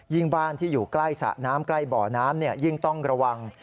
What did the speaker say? บ้านที่อยู่ใกล้สระน้ำใกล้บ่อน้ำยิ่งต้องระวัง